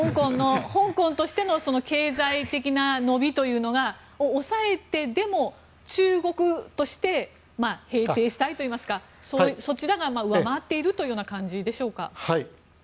香港としての経済的な伸びを抑えてでも中国として平定したいといいますかそちらが上回っているという感じでしょうか。